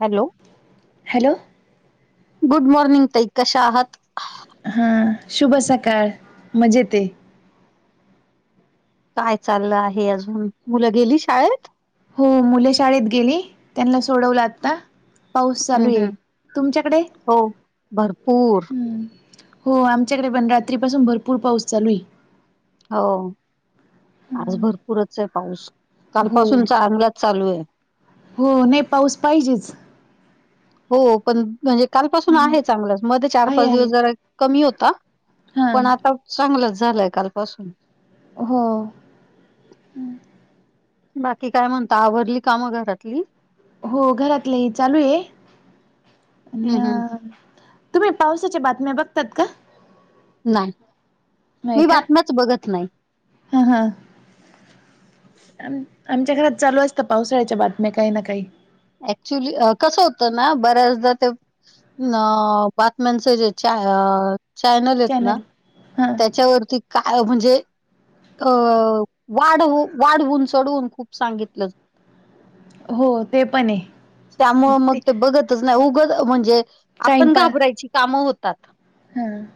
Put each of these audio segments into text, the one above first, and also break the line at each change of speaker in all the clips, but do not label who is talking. Hello
hello
good morning तई कशा आहात
हा शुभ सकाळ मजेत
काय चाललं आहे अजून मुलं गेली शाळेत
हो मुले शाळेत गेली त्यांना सोडवलं आता पाऊस चालू
हम्म
आहे
हम्म
तुमच्याकडे
हो भरपूर
हम् हो आमच्याकडे पण रात्रीपासून भरपूर पाऊस चालू आहे
हो आज भरपूरच आहे पाऊस काल
हो
पाासून चालू चालू आहे
हो नाही पाऊस पाहिजेच
हो पण म्हणजे कालपासून
हम्म.
आहे चांगलंच मध्ये चार
आहे
पाच
आहे
दिवस जरा कमी होता पण
हां
आता चांगलंच झालंय काल पाऊस
हो
बाकी काय म्हणता आवरली कामं घरातली
हो घरातले चालू आहे आणि
हम्म हम्म
अ तुम्ही पावसाच्या बातम्या बघतात का
नाही मी बातम्याच बघत नाही
हा हा आमच्या घरात चालू असतं पावसाळ्याच्या बातम्या काही ना काही
ऍक्च्युली कसं होतं ना बऱ्याचदा ते न बातम्यांच जे चॅनल आहेत ना
चॅनल हां
त्याच्यावरती काय म्हणजे अ वाढव वाढवून चढवून खूप सांगितलं
हो ते पण आहे
त्यामुळं मग ते बघतच नाही उगाच म्हणजे आपण घाबरायची कामं होतात
हम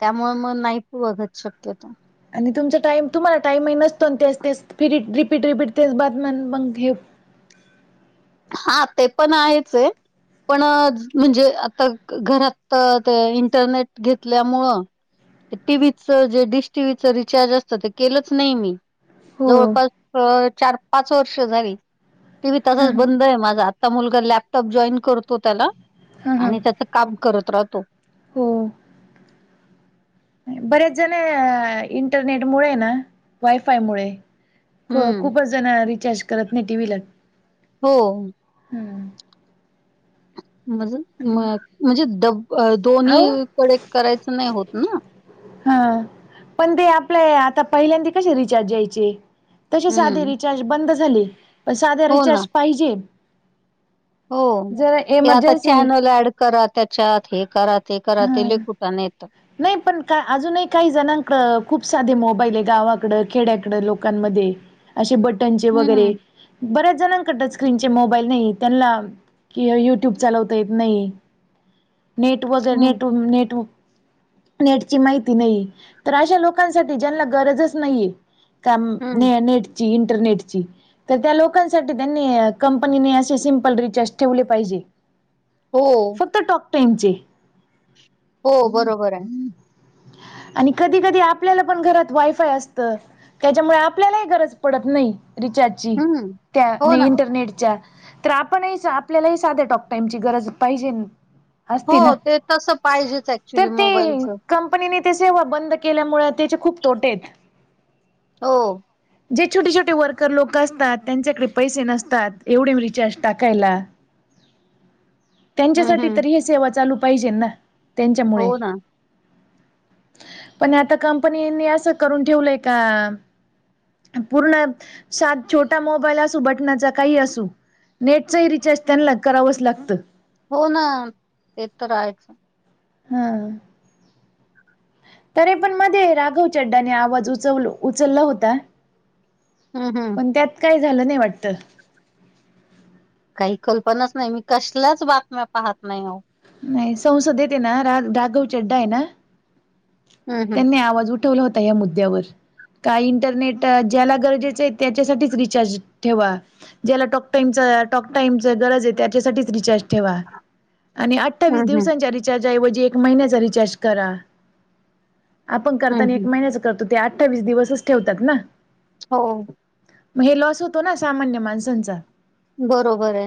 त्यामुळे मग नाहीच बघत शक्यतो
आणि तुमचा टाईम तुम्हाला टाईम नसतो आणि तेच ते फिरी रिपीट रिपीट तेच बातम्या मग हे
हा ते पण आहेच आहे. पण म्हणजे आता घरात ते इंटरनेट घेतल्यामुळं टीव्हीच जे डिश टीव्हीच रिचार्ज असतं ते केलंच नाही मी.
हो
जवळपास चार पाच वर्ष झाली. टीव्ही
हा
तसाच बंद माझा आता मुलगा लॅपटॉप जॉईन करतो त्याला
हा हां
आणि त्याच काम करत राहतो.
हो. बरेच जण इंटरनेट मुळे ना वायफाय मुळे
हम्म
खूपच जण रिचार्ज करत नाही टी व्ही ला.
हो.
हम्म.
म्हज म्हणजे डब दोन्ही
अहो
कडे करायचं नाही होत ना.
हा पण ते आपल्या आता पहिल्यांदा कसे रिचार्ज यायचे तसे साधे
हम्म
रिचार्ज बंद झाले. पण साधे
हो ना
रिचार्ज पाहिजे.
हो
जर
ते आता
एमर्जन्सी
चॅनल ऍड करा त्याच्यात हे करा ते करा ते
हा
लई कुटणं येत.
नाही पण का अजूनही काही जणांकडे खूप साधे मोबाईल आहे. गावाकड खेड्याकडं लोकांमध्ये असे बटनचे
हम्म
वगैरे. बऱ्याच जणांकडे स्क्रीन चे मोबाईल नाही आहेत त्यांना कि युट्यूब चालवता येत नाही. नेट वगैरे
हम्म
नेट नेट नेटची माहिती नाही तर अशा लोकांसाठी ज्यांना गरजच नाहीये. काम
हम्म
ने नेटची इंटरनेटची तर त्या लोकांसाठी त्यांनी कंपनीने असे सिम्पल रिचार्ज ठेवले पाहिजे.
हो.
फक्त टॉक टाईमचे.
हो बरोबर आहे.
आणि कधी कधी आपल्याला पण घरात वायफाय असतं. त्याच्यामुळे आपल्यालाही गरज पडत नाही रिचार्जची
हम्म
त्या
हो
नाही
ना
इंटरनेटच्या. तर आपणही आपल्यालाही साधे टॉक टाइमची गरज पाहिजे.
हो
असती ना
ते तसं पाहिजेच ऍक्च्युली
तर ते
मोबाईलचं.
कंपनीने ते सेवा बंद केल्यामुळे त्याचे खूप तोटे आहेत
हो.
जे छोटे छोटे वर्कर लोक असतात त्यांच्याकडे पैसे नसतात एवढे रिचार्ज टाकायला
[inaudible]
त्यांच्यासाठी
हम्म
तरी हे सेवा चालू पाहिजे ना त्यांच्यामुळे
हो ना
पण आता कंपनीनी असं करून ठेवलंय का पूर्ण सात छोटा मोबाईल असू बटनाचा काही असू नेटचही रिचार्ज त्यांना करावंच लागतं
हो ना ते तर आहेच.
हा तरे पण मध्ये राघव चड्डाने आवाज उचवल उचलला होता
हं, हं.
पण त्यात काय झालं नाही वाटत
काही कल्पनाच नाही. मी कसल्याच बातम्या पाहत नाही हो
नाही संसद येत आहे ना रा राघव चड्डा आहे ना
हं, हं.
त्यांनी आवाज उठवला होता या मुद्द्यावर का इंटरनेट ज्याला गरजेचं आहे त्याच्यासाठीच रिचार्ज ठेवा ज्याला टॉक टाइमचा टॉक टाइम गरज आहे त्याच्यासाठीच रिचार्ज ठेवा आणि अठ्ठावीस
हं, हं.
दिवसांच्या रिचार्ज ऐवजी एक महिन्याचा रिचार्ज करा आपण
हं,
करताना एक
हं.
महिन्याच करतो ते अठ्ठावीस दिवसच ठेवतात ना
हो
मग हे लॉस होतो ना सामान्य माणसांचा
बरोबर आहे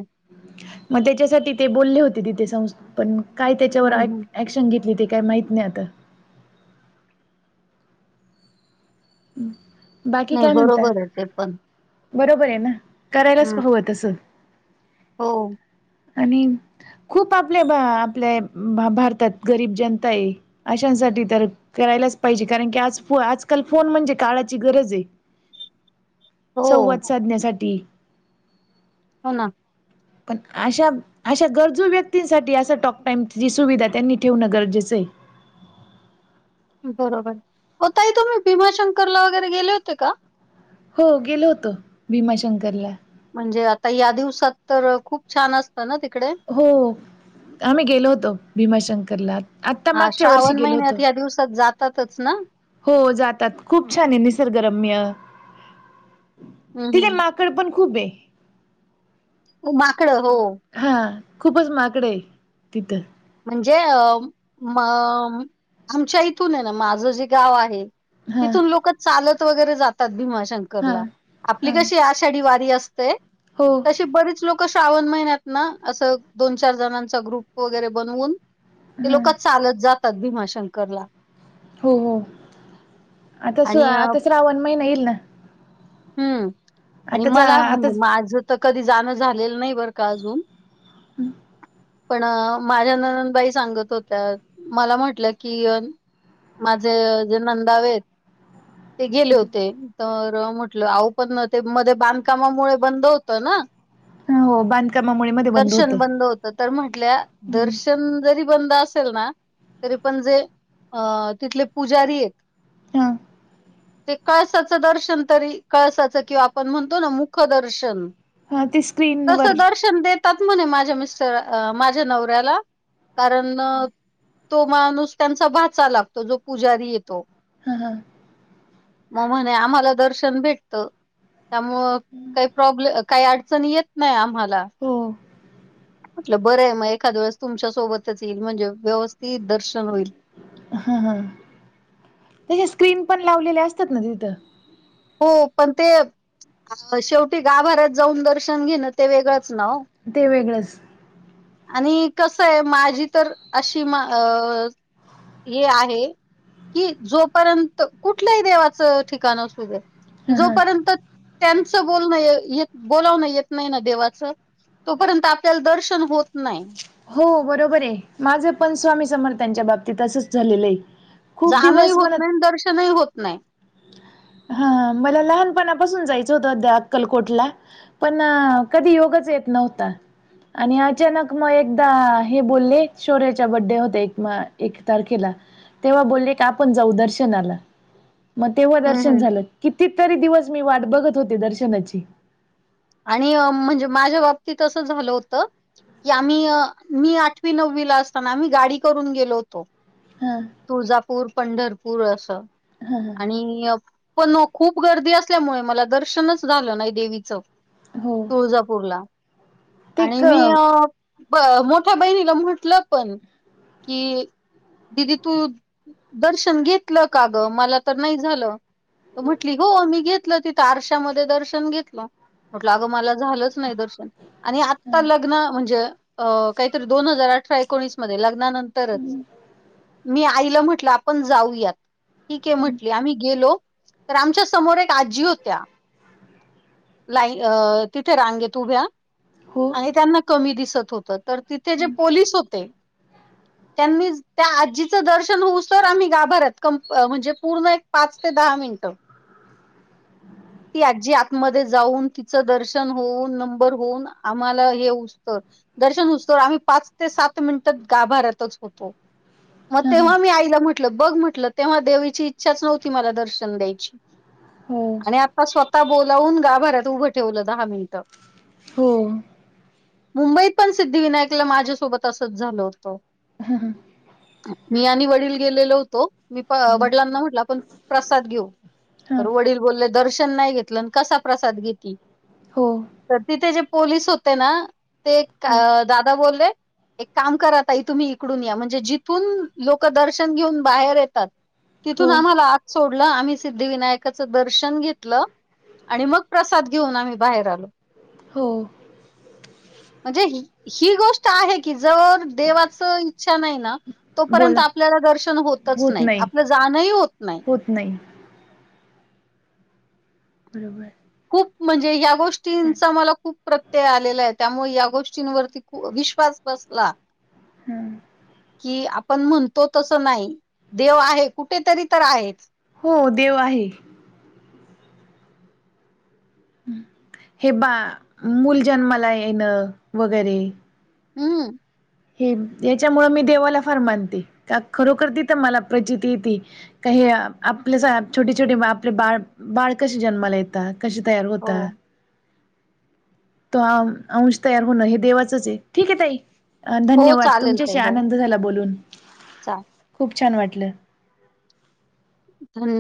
मग त्याच्यासाठी ते बोलले होते तिथे पण काय त्याच्यावर
हं, हं.
ॲक्शन घेतली ते काय माहीत नाही आता बाकी
नाही
काय म्हणता
बरोबर आहे ते पण.
बरोबर आहे ना करायलाच
हं.
हवं तसं
हो
आणि खूप आपल्या आपल्या भारतात गरीब जनता आहे अशांसाठी तर करायलाच पाहिजे कारण की आज आजकाल- फोन म्हणजे काळाची गरज आहे
हो,
संवाद साधण्यासाठी
हो ना
पण अशा अशा गरजू व्यक्तींसाठी असा टॉक टाइमची सुविधा त्यांनी ठेवणं गरजेचं आहे
बरोबर आहे ओ ताई तुम्ही भीमाशंकरला वगैरे गेले होते का
हो गेलो होतो भीमाशंकरला
म्हणजे आता या दिवसात तर खूप छान अस ना तिकडे
हो आम्ही गेलो होतो भीमाशंकरला आत्ता
हां,
मागच्या वर्षी
श्रावण
गेलो होतो
महिन्यात या दिवसात जात जातातच ना
हो जातात खूप छान आहे निसर्गरम्य
हं,
तिथे
हं.
माग कडे पण खूप आहे
माकडं हो
हा खूपच माकडे आहे तिथं
म्हणजे म आमच्या इथून आहे ना माझं जे गाव आहे
हा
तिथून लोक चालत वगैरे जातात
हा.
भीमाशंकरला आपली
हा
कशी षडी वारी असते
हो
अशी बरीच लोक श्रावण महिन्यात ना असं दोन चार जणांचा ग्रुप वगैरे बनवून ते
हा
लोक चालत जातात भीमाशंकरला
हो हो आता सु
आणि
आताच रावण महिना येईल ना.
हम्म आणि
आताच
मला म्हणजे
आताच
माझं तर कधी जाणं झालेलं नाही बरं का अजून.
हम्म
पण माझ्या नंदबाई सांगत होत्या मला म्हटलं की. माझे जे नंदावेत ते गेले होते तर म्हटलं आह पण ते मध्ये बांधकामामुळे बंद होत ना.
हो बांधकामामुळे मध्ये बंद
दर्शन
होतं.
बंद होत. तर म्हटल्या
हम्म.
दर्शन जरी बंद असेल ना. तरी पण जे अ तिथले पुजारी आहेत
हा
ते काळसाचं दर्शन तरी. कळसाच किंवा आपण म्हणतो ना मुखदर्शन.
ह ते स्क्रीनवरर.
देतात म्हणे माझ्या मिस्टरा माझ्या नवऱ्याला कारण तो माणूस त्यांचा भाचा लागतो जो पुजारी येतो.
हा हां.
मग म्हणे आम्हाला दर्शन भेटत त्यामुळ काही प्रॉब्लेम काय अडचण येत नाय आम्हाला.
हो
म्हटल बरं आहे मग एखाद वेळेस तुमच्या सोबतच येईल म्हणजे व्यवस्थित दर्शन होईल.
हा हा त्याज्या स्क्रीन पण लावलेल्या असतात ना तिथं?
हो पण ते शेवटी गाभऱ्यात जाऊन दर्शन घेणं ते वेगळंच ना ओ?
ते वेगळंच.
आणि कसंय माझी तर अशी मा अ हे आहे की जोपर्यंत कुठल्याही देवाचं ठिकाण असूदे.
ह हां
जोपर्यंत त्यांचं बोलणं बोलावण येत नाही ना देवाचं तोपर्यंत आपल्याला दर्शन होत नाय.
हो बरोबरये माझं पण स्वामी समर्थांच्या बाबतीत असंच झालेलं आहे. खूप
जाणं ही
दिवस
होत नाय आणि
म्हणत
दर्शनही होत नाय.
हा हा मला लहानपणापासून जायचं होतं त्या अक्कलकोटला. पण कधी योगच येत नव्हता. आणि अचानक मग एकदा हे बोलले शौर्याच्या बड्डे होते एक एक तारखेला. तेव्हा बोलले का आपण जाऊ दर्शनाला मग तेव्हा
हम्म हम्म.
झाल किती तरी दिवस मी वाट बघत होते दर्शनाची.
आणि म्हणजे माझ्या बाबतीत असं झालं होतं. की आम्ही मी आठवी नववी ला असताना आम्ही गाडी करून गेलो होतो.
हा.
तुळजापूर पंढरपूर असं
हा हा
आणि पण खूप गर्दी असल्यामुळे मला दर्शनच झालं नाही देवीचं.
हो.
तुजापूरला
ते
आणि
क
मी ब- मोठ्या बहिणीला म्हटलं पण कि दिदी तू दर्शन घेतलं का ग मला तर नाही झालं. म्हंटली हो मी घेतलं तिथं आरशामध्ये दर्शन घेतलं. म्हटलं अगं मला झालंच नाय दर्शन. आणि आता लग्न म्हणजे अ- काहीतरी दोन हजार अठरा एकोणीस मध्ये लग्नानंतरच मी आईला म्हटलं आपण जाऊयात. ठीक आहे म्हंटली आम्ही गेलो तर आमच्या समोर एक आजी होत्या लाई अ -तिथे रांगेेत उभ्या
हो.
ते त्यांना कमी दिसत होत तर तिथे जे पोलीस होते. त्यांनीच त्या आजीचं दर्शन होऊसतवर आम्ही गाभाऱ्यात क -म्हणजे पूर्ण एक पाच ते दहा मिनिटं. ती आजी आतमध्ये जाऊन तिचं दर्शन होऊन नंबर होऊन आम्हाला येवस्तवर दर्शन होऊस्तवर आम्ही पाच ते सात मिनिटात गाभाऱ्यातच होतो. मग
हा हा
तेव्हा मी आईला म्हटलं बघ म्हटलं तेव्हा देवीची इच्छाच नव्हती मला दर्शन द्यायची.
हो
आणि आता स्वतः बोलावून गाभऱ्याात उभं ठेवलं दहा मिनिटं.
हो.
मुंबईत पण सिद्धिविनायकला माझ्यासोबत असंच झालं होतं.
हा हां.
मी आणि वडील गेलेलो होतो मी वडिलांना म्हटलं पण प्रसाद घेऊ
हा
तर वडील बोलले दर्शन नाही घेतलं आणि कसा प्रसाद घेती.
हो.
तर तिथे जे पोलीस होते ना ते
हो
दादा बोलले. एक काम करा ताई तुम्ही इकडून या म्हणजे जिथून लोक दर्शन घेऊन बाहेर येतात. तिथून
हो
आम्हाला आत सोडलं आम्ही सिद्धिविनायकाचं दर्शन घेतलं. आणि मग प्रसाद घेऊन आम्ही बाहेर आलो.
हो.
म्हणजे ही गोष्ट आहे की जर देवाच इच्छा नाही ना. तोपर्यंत
बोला
आपल्याला दर्शन होतच नाही आपलं जाणंही होत नाही.
होत नाही. बरोबर.
खूप म्हणजे या
चालेल
गोष्टींचा मला खूप. प्रत्यय आलेला आहे त्यामुळे या गोष्टीं वरती खू विश्वास बसला. कि आप पण म्हणतो तसं नाही देव आहे कुठेतरी तर आहे.
हो देव आहे. हे बा मूल जन्माला येणं वगैरे
हम्म.
हे याच्यामुंळ मी देवाला फार मानते का खरोखर तिथं मला प्रचिती येती. काही आपल्याच छोटी छोटे आपले बाळ बाळ कशी जन्माला येत. कशे तयार
हो
होता. तो अंश तयार होणं हे देवाचच आहे ठीक आहे ताई. अ
हो
धन्यवाद
चालेल
तुमच्याशी
ते हो
आनंद झाला बोलून
चालेल
खूप छान वाटलं.
ह.